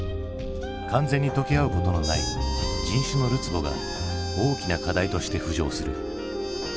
完全に溶け合うことのない人種のるつぼが大きな課題として浮上する。